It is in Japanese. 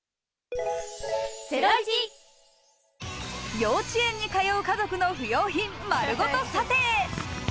幼稚園に通う家族の不用品まるごと査定。